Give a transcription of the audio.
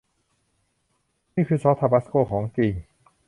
นี่คือซอสทาบาสโก้ของจริง